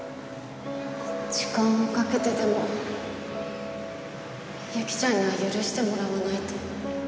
時間をかけてでもゆきちゃんには許してもらわないと。